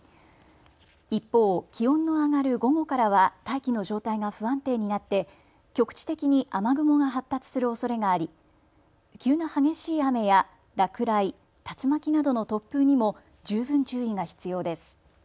一方、気温の上がる午後からは大気の状態が不安定になって局地的に雨雲が発達するおそれがあり急な激しい雨や落雷、竜巻などの突風にも十分注意が必要です。